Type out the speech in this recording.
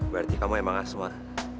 berarti kamu emang asmur